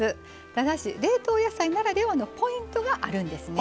ただし冷凍野菜ならではのポイントがあるんです。